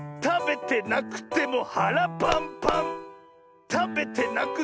たべてなくてもはらパンパン！